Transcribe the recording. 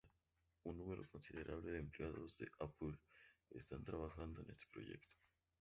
Un número considerable de empleados de Apple están trabajando en este proyecto.